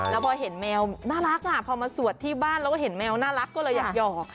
แล้วพอเห็นแมวน่ารักพอมาสวดที่บ้านแล้วก็เห็นแมวน่ารักก็เลยอยากหอก